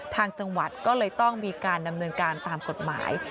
ทางจังหวัดก็เลยต้องมีการดำเนินการตามกฎหมาย